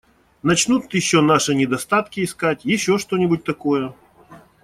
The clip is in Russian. Начнут еще наши недостатки искать, еще что-нибудь такое.